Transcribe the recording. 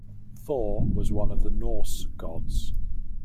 Thor was one of the Norse gods.